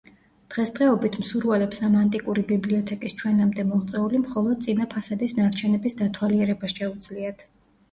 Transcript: დღესდღეობით მსურველებს ამ ანტიკური ბიბლიოთეკის ჩვენამდე მოღწეული მხოლოდ წინა ფასადის ნარჩენების დათვალიერება შეუძლიათ.